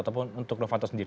ataupun untuk novanto sendiri